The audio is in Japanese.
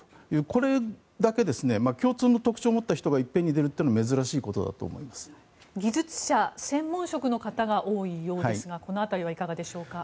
これだけ共通の特徴を持った人がいっぺんに出るのは技術者、専門職の方が多いようですがこの辺りはいかがでしょうか。